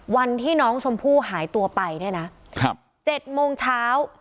วันที่น้องชมพู่หายตัวไปเนี่ยนะ๗โมงเช้า